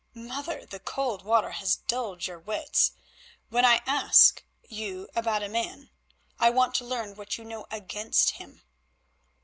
"Mother, the cold water has dulled your wits. When I ask you about a man I want to learn what you know against him."